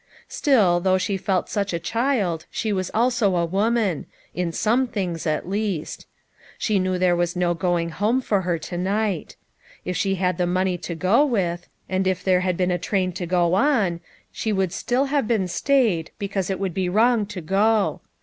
Still, though she felt such a child, she was also a woman ; in some things at least. She knew there was no going home for her to night. If she had the money to go with, and if there had been a train to go on, she would still have been stayed, because it would be wrong to go.